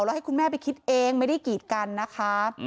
แล้วให้คุณแม่ไปคิดเองไม่ได้กีดกันนะคะ